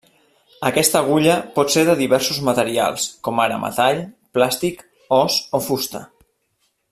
Aquesta agulla pot ser de diversos materials, com ara metall, plàstic, os o fusta.